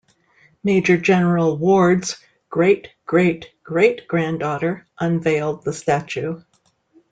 Major General Ward's great-great-great-granddaughter unveiled the statue.